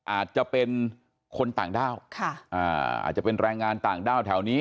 อาจจะเป็นคนต่างด้าวอาจจะเป็นแรงงานต่างด้าวแถวนี้